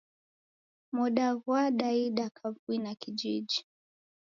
Moda ghwadaida kavui na kijiji.